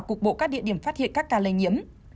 cục bộ các địa điểm phát hiện các ca lây nhiễm